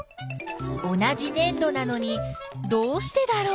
同じねん土なのにどうしてだろう？